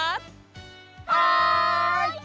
はい！